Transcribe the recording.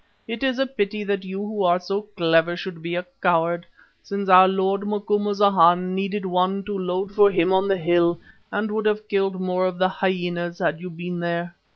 It is a pity that you who are so clever should be a coward, since our lord Macumazana needed one to load for him on the hill and would have killed more of the hyenas had you been there."